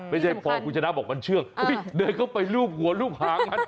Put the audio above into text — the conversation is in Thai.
ไม่ใช่พอคุณชนะบอกมันเชื่องเดินเข้าไปรูปหัวรูปหางมัน